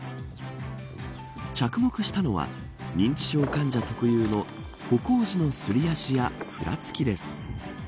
着目したのは認知症患者特有の歩行時のすり足やふらつきです。